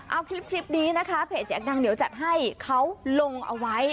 เอาคลิปนี้นะคะเพจอยากดังเดี๋ยวจัดให้เขาลงเอาไว้